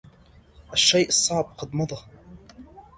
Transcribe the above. الشيء الصعب قد مضى.